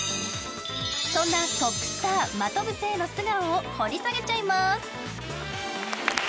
そんなトップスター真飛聖の素顔を掘り下げちゃいます。